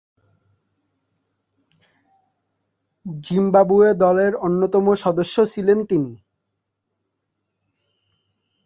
Zimbabwe দলের অন্যতম সদস্য ছিলেন তিনি।